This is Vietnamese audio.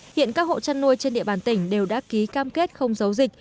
hiện các hộ chăn nuôi trên địa bàn tỉnh đều đã ký cam kết không giấu dịch